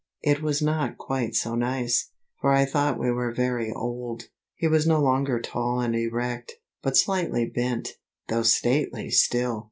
It was not quite so nice, for I thought we were very old. He was no longer tall and erect, but slightly bent, though stately still.